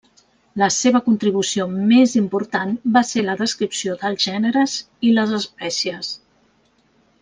La seva contribució més important va ser la descripció dels gèneres i les espècies.